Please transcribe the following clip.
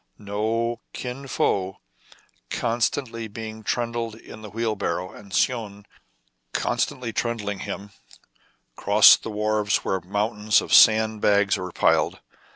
No ! Kin Fo, constantly being trundled in the wheelbarrow, and Soun constantly trundling him, crossed the wharves where mountains of sand bags were piled.